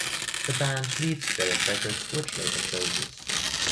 The band leaves Jarrett Records which later closes.